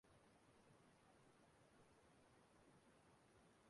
ha na Chineke